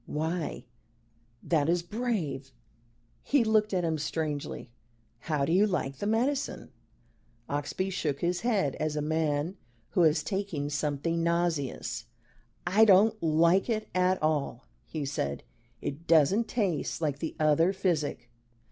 Why that is brave " he looked at him strangely, "How do you like the medicine?" Oxbye shook his head as a man who has taken something nauseous. "I don't like it at all," he said. "It doesn't taste like the other physic."